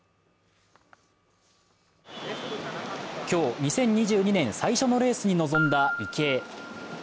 今日、２０２２年最初のレースに臨んだ池江。